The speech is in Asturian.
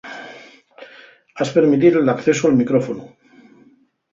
Has permitir l'accesu al micrófonu.